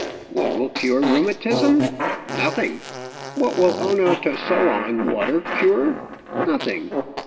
What will cure rheumatism? Nothing! What will O no to so on water cure? Nothing!